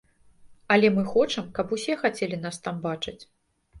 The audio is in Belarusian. Але мы хочам, каб усе хацелі нас там бачыць.